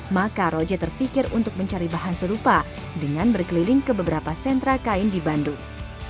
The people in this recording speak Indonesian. maka roja terpikir untuk mencari bahan serupa dengan berkeliling ke beberapa sentra kain di bandung